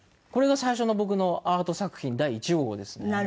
これが最初の僕のアート作品第１号ですね。